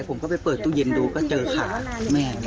และผมก็ไปเปิดตู้เย็นดูเห็นค่าแม่